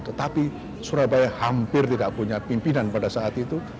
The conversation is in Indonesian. tetapi surabaya hampir tidak punya pimpinan pada saat itu